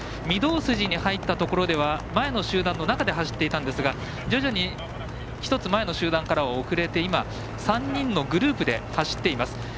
御堂筋に入ったところでは前の集団の中で走っていたんですが徐々に１つ前の集団からは遅れて３人のグループで走っています。